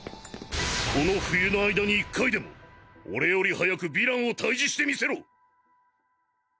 この冬の間に１回でも俺より早くヴィランを退治してみせろ！